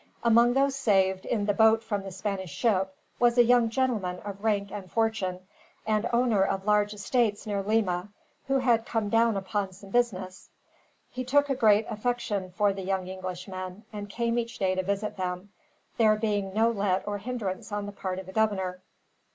Among those saved, in the boat from the Spanish ship, was a young gentleman of rank and fortune, and owner of large estates near Lima, who had come down upon some business. He took a great affection for the young Englishmen, and came each day to visit them, there being no let or hindrance on the part of the governor.